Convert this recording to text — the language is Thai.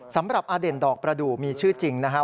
สำหรับอเด่นดอกประดูกมีชื่อจริงนะครับ